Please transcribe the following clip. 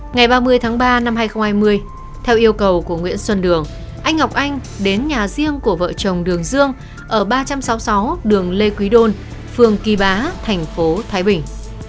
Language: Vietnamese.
ngày ba mươi tháng ba năm hai nghìn hai mươi theo yêu cầu của nguyễn xuân đường anh ngọc anh đến nhà riêng của vợ chồng đường dương ở ba trăm sáu mươi sáu đường lê quý đôn phường kỳ bá thành phố thái bình